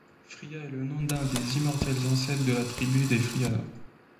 Frya est le nom d'un des immortels ancêtres de la tribu des Fryâna.